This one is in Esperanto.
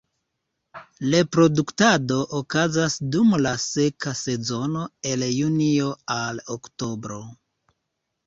Reproduktado okazas dum la seka sezono el junio al oktobro.